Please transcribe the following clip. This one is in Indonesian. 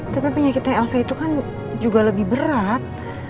tapi penyakitnya alse itu kan juga lebih berat